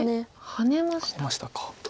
ハネましたか。